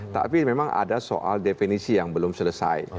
tapi memang ada soal definisi yang belum selesai